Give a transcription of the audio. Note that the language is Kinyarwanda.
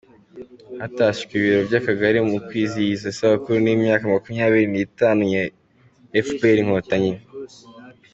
Hatashywe ibiro by’Akagari mu kwizihiza isabukuru y’imyaka makumyabiri nitanu ya efuperi Inkotanyi